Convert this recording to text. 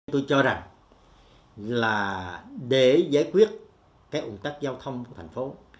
tôi cho rằng là để giải quyết cái ủng tắc giao thông của thành phố